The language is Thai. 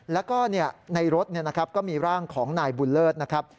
แล้วก็ในรถก็มีร่างของนายบุญเลิศนะครับ